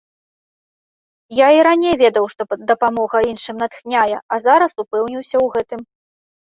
Я і раней ведаў, што дапамога іншым натхняе, а зараз упэўніўся ў гэтым.